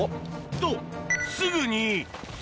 と、すぐに。